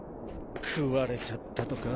食われちゃったとか？